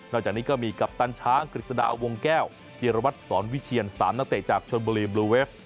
จากนี้ก็มีกัปตันช้างกฤษฎาวงแก้วจิรวัตรสอนวิเชียน๓นักเตะจากชนบุรีบลูเวฟ